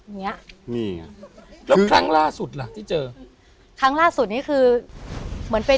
เนี้ยนี่ไงแล้วครั้งล่าสุดล่ะที่เจอครั้งล่าสุดนี้คือเหมือนเป็น